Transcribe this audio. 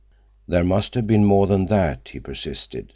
"There must have been more than that," he persisted.